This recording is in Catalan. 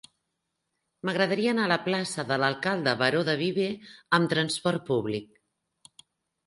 M'agradaria anar a la plaça de l'Alcalde Baró de Viver amb trasport públic.